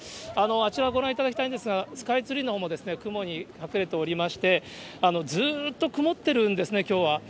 あちらご覧いただきたいんですが、スカイツリーのほうも雲に隠れておりまして、ずーっと曇ってるんですね、きょうは。